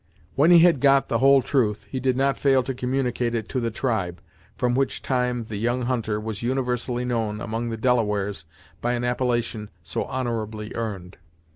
When he had got the whole truth, he did not fail to communicate it to the tribe, from which time the young hunter was universally known among the Delawares by an appellation so honorably earned.